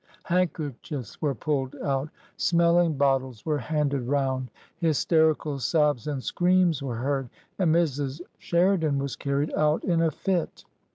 Handkerchiefs were pulled out; smelling bottles were handed round; hysterical sobs and screams were heard; and Mrs. Sheri dan was carried out in a fit.